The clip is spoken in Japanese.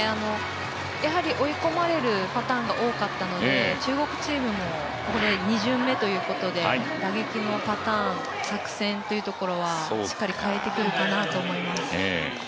追い込まれるパターンが多かったので、中国チームも、２巡目ということで打撃のパターン作戦というところはしっかり変えてくるかなと思います。